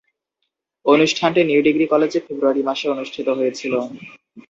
অনুষ্ঠানটি New Degree কলেজে ফেব্রুয়ারি মাসে অনুষ্ঠিত হয়েছিলো।